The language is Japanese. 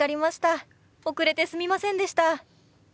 遅れてすみませんでした。